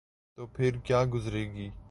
تو پھرکیا گزرے گی؟